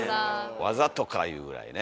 わざとかいうぐらいね。